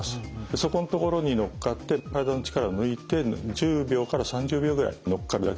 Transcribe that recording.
そこん所に乗っかって体の力を抜いて１０秒から３０秒ぐらい乗っかるだけです。